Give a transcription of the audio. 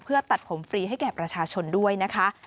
เพื่อตัดผมฟรีให้แก่ประชาชนด้วยนะคะ